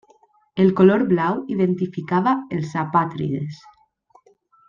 El color blau identificava els apàtrides.